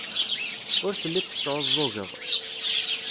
Ur telliḍ tesɛuẓẓugeḍ.